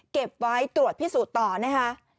เก็บไว้ตรวจพิสูจน์ต่อนะคะ